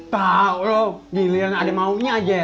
pak lo giliran ada maunya aja